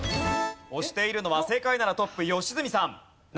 押しているのは正解ならトップ良純さん。